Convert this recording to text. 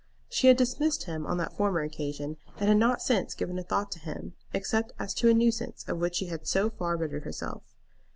She had dismissed him on that former occasion, and had not since given a thought to him, except as to a nuisance of which she had so far ridded herself.